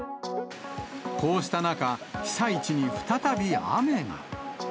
こうした中、被災地に再び雨が。